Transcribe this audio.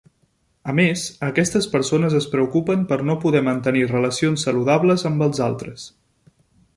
A més, aquestes persones es preocupen per no poder mantenir relacions saludables amb els altres.